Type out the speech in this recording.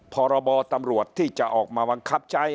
พรบตำรวจที่จะออกมาบังคับใช้